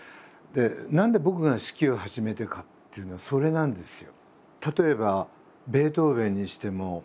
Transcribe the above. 何で僕が指揮を始めたかというのはそれなんですよ。